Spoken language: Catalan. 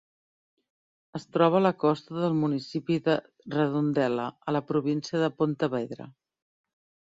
Es troba a la costa del municipi de Redondela, a la província de Pontevedra.